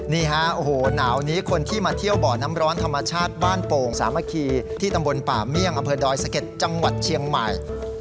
นี่ฮะโอ้โหหนาวนี้คนที่มาเที่ยวบ่อน้ำร้อนธรรมชาติบ้านโป่งสามัคคีที่ตำบลป่าเมี่ยงอำเภอดอยสะเก็ดจังหวัดเชียงใหม่